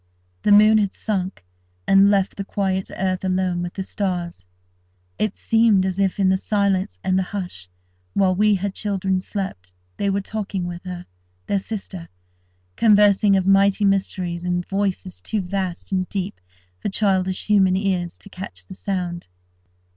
The moon had sunk, and left the quiet earth alone with the stars. It seemed as if, in the silence and the hush, while we her children slept, they were talking with her, their sister—conversing of mighty mysteries in voices too vast and deep for childish human ears to catch the sound.